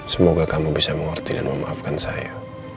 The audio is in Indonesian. semoga kamu bisa mengerti dan memaafkan saya